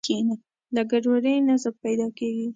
له ګډوډۍ نظم پیدا کېږي.